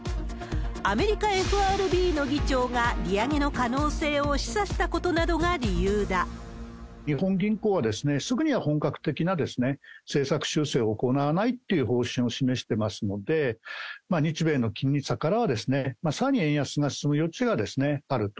アメリカＦＲＢの議長が利上げの可能性を示唆したことなどが理由日本銀行は、すぐには本格的な政策修正を行わないっていう方針を示してますので、日米の金利差からは、さらに円安が進む余地があると。